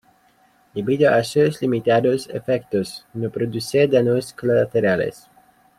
Debido a sus limitados efectos, no produce daños colaterales.